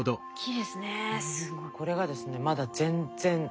これがですねまだ全然え！